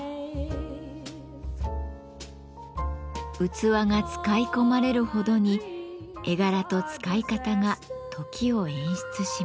器が使い込まれるほどに絵柄と使い方が時を演出します。